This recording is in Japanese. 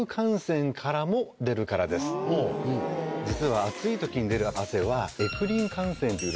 実は暑い時に出る汗は。